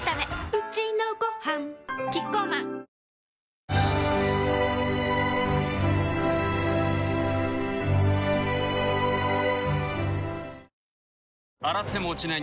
うちのごはんキッコーマン洗っても落ちない